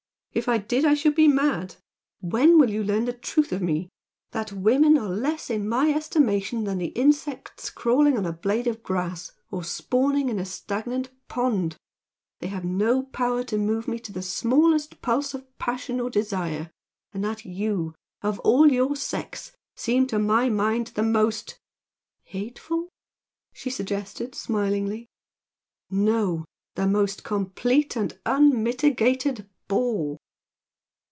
If I did I should be mad! When will you learn the truth of me? that women are less in my estimation than the insects crawling on a blade of grass or spawning in a stagnant pond? that they have no power to move me to the smallest pulse of passion or desire? and that you, of all your sex, seem to my mind the most " "Hateful?" she suggested, smilingly. "No the most complete and unmitigated bore!"